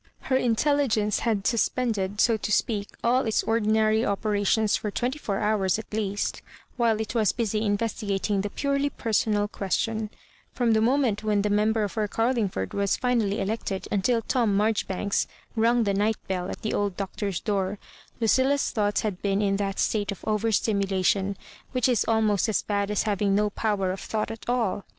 Her intelligence had suspended, so to speak, all its ordinary operations for twenty four hours at least, while it was busy investigating the purely personal question; from the moment when the Member for Carlingford was finally elected until Tom Marjoribanks rung the night>bell at the old Doc tor's door, LucUla'a thoughts had been in that state of over^stimulation which is almost as bad as haviug no power of thought at all.